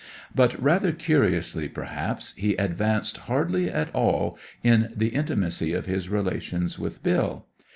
But, rather curiously perhaps, he advanced hardly at all in the intimacy of his relations with Bill.